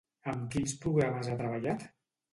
Amb quins programes ha treballat?